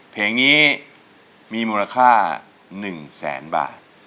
เพลงนี้มีมูลค่า๑แสนบาท